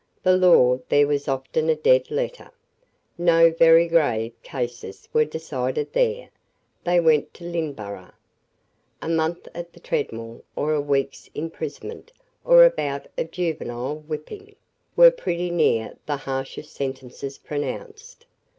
The law there was often a dead letter. No very grave cases were decided there; they went to Lynneborough. A month at the treadmill, or a week's imprisonment, or a bout of juvenile whipping, were pretty near the harshest sentences pronounced.